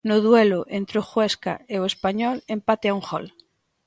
No duelo entre o Huesca e o Español, empate a un gol.